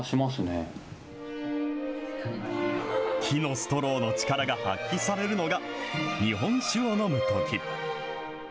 木のストローの力が発揮されるのが、日本酒を飲むとき。